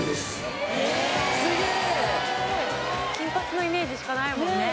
金髪のイメージしかないもんね。